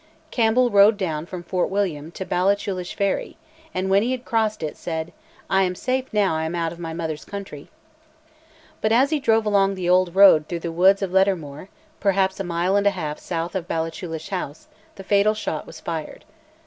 Campbell rode down from Fort William to Ballachulish ferry, and when he had crossed it said, "I am safe now I am out of my mother's country." But as he drove along the old road through the wood of Lettermore, perhaps a mile and a half south of Ballachulish House, the fatal shot was fired.